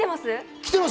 来てます。